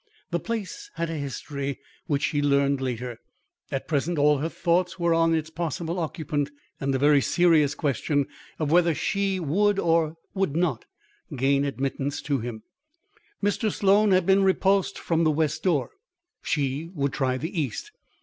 The place had a history which she learned later. At present all her thoughts were on its possible occupant and the very serious question of whether she would or would not gain admittance to him. Mr. Sloan had been repulsed from the west door; she would try the east.